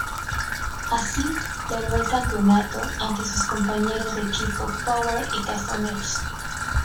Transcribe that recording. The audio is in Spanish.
Así, logró el campeonato ante sus compañeros de equipo Power y Castroneves.